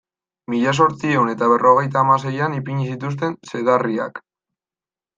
Mila zortziehun eta berrogeita hamaseian ipini zituzten zedarriak.